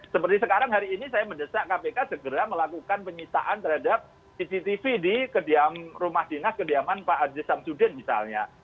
seperti sekarang hari ini saya mendesak kpk segera melakukan penyisaan terhadap cctv di rumah dinas kediaman pak haji samsudin misalnya